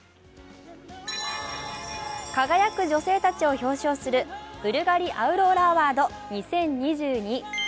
輝く女性たちを表彰するブルガリ・アウローラ・アワード２０２２。